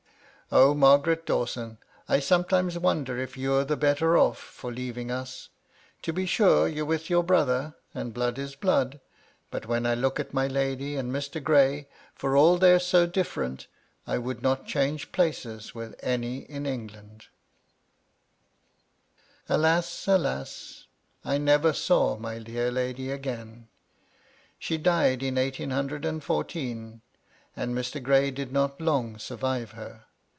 ^Obt Margaret Dawsiin, I s(mietimes womler if ' you're tbe lietter off for braving us. To be sure, you're ' witb your brottier, and l)lood is bb>o<l Uut wben I 'biok at my bidy ami Mr Gray, fer all tlieyVe so 340 MY LADY LUDLOW. * different , I would not change places with any in 'England/ Alas ! alas I I never saw my dear lady again. She died in eighteen hundred and fourteen, and Mr. Ghray did not long survive her.